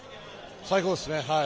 最高ですね。